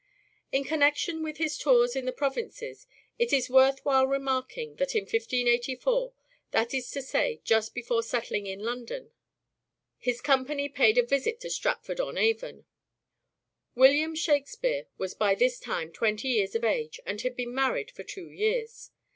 In connection with his tours in the provinces it MANHOOD OF DE VERE : MIDDLE PERIOD 307 is worth while remarking that in 1584, that is to say just before settling in London, his company paid a visit to Stratford on Avon. William Shakspere was by this time twenty years of age and had been married for two years.